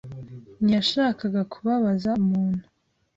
ntiyashakaga kubabaza umuntu.